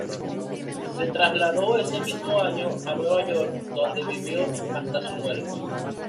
Se trasladó ese mismo año a Nueva York en donde vivió hasta su muerte.